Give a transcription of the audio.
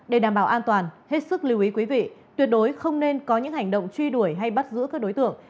để đảm bảo an toàn hết sức lưu ý quý vị tuyệt đối không nên có những hành động truy đuổi hay bắt giữ các đối tượng